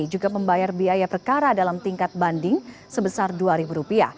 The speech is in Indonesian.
juga membayar biaya perkara dalam tingkat banding sebesar rp dua